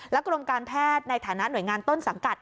กรมการแพทย์ในฐานะหน่วยงานต้นสังกัด